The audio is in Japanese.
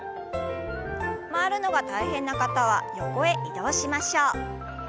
回るのが大変な方は横へ移動しましょう。